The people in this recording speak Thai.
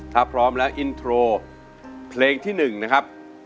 ถ้าพร้อมแล้วอินโทรเพลงที่๑นะครับ